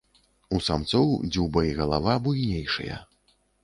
У самцоў дзюба і галава буйнейшыя.